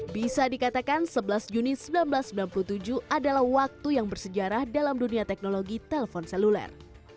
bisa dikatakan sebelas juni seribu sembilan ratus sembilan puluh tujuh adalah waktu yang bersejarah dalam dunia teknologi telpon seluler